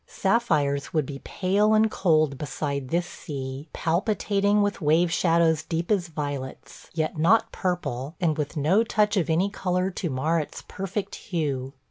Sapphires would be pale and cold beside this sea – palpitating with wave shadows deep as violets, yet not purple, and with no touch of any color to mar its perfect hue.